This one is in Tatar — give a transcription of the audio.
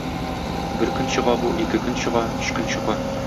Бер көн чыга бу, ике көн чыга, өч көн чыга.